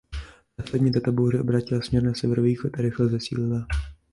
Následně tato bouře obrátila směr na severovýchod a rychle zesílila.